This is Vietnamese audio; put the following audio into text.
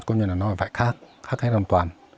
có nghĩa là nó phải khác khác hết hoàn toàn